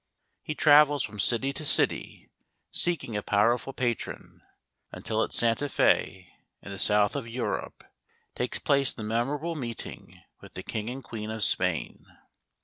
He travels from city to city seeking a powerful patron, until at Santa Fe in the south of Europe takes place the memorable meeting with the king and queen of Spain.